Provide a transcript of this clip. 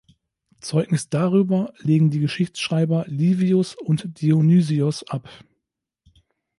Zeugnis darüber legen die Geschichtsschreiber Livius und Dionysios ab.